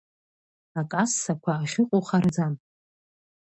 Акассақәа ахьыҟоу хараӡам.